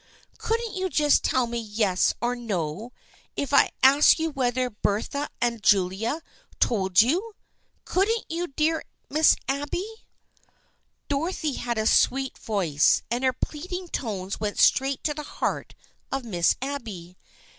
Couldn't you just tell me yes or no if I ask you whether Bertha and Julia told you ? Couldn't you, dear Miss Abby ?" Dolly had a sweet voice, and her pleading tones went straight to the heart of Miss Abby.